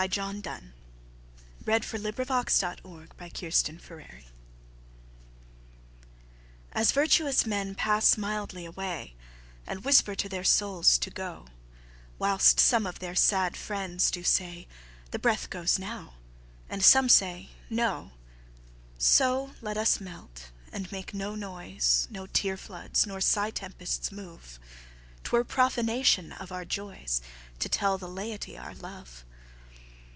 John Donne A Valediction: Forbidding Mourning AS virtuous men passe mildly away, And whisper to their soules, to goe, Whilst some of their sad friends do say, The breath goes now, and some say, no; So let us melt, and make no noise, No teare floods, nor sigh tempests move, T'were prophanation of our joyes To tell the layetie our love.